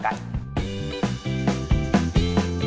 สปาเก็ตตี้ซอสขากัด